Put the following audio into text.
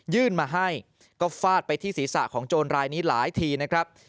ยื่นมาให้ก็ฟาดไปที่ศีรษะของโจรรายนี้หลายทีนะครับ